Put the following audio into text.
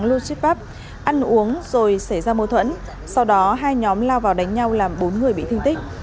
logipub ăn uống rồi xảy ra mâu thuẫn sau đó hai nhóm lao vào đánh nhau làm bốn người bị thương tích